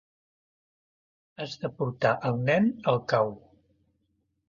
Has de portar el nen al cau.